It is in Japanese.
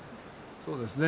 そうですね。